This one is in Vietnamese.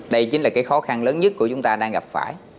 đây chính là cái khó khăn lớn nhất của chúng ta đang gặp phải